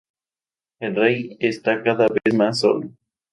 El Rey está cada vez más solo.